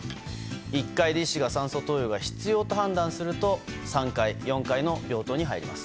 １階で医師が酸素投与が必要と判断すると３階、４階の病棟に入ります。